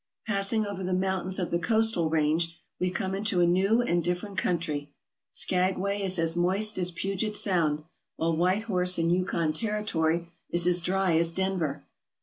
Passing over the mountains of the coastal range, we come into a new and different country. Skagway is as moist as Puget Sound, while White Horse in Yukon Terri tory is as dry as Denver.